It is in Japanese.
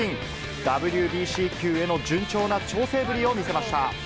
ＷＢＣ球への順調な調整ぶりを見せました。